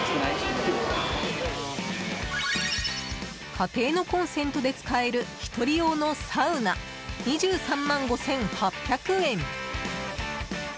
家庭のコンセントで使える１人用のサウナ２３万５８００円。